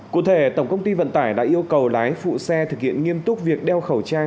cụ thể tổng công ty vận tải đã yêu cầu lái phụ xe thực hiện nghiêm túc việc đeo khẩu trang